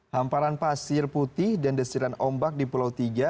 hamparan pasir putih dan desiran ombak di pulau tiga